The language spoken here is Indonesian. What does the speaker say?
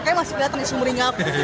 kayaknya masih kelihatan semuanya